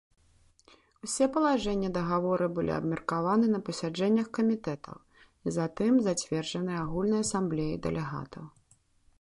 Усе палажэнні дагавора былі абмеркаваны на пасяджэннях камітэтаў і затым зацверджаны агульнай асамблеяй дэлегатаў.